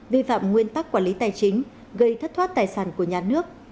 vi phạm nguyên tắc quản lý tài chính gây thất thoát tài sản của nhà nước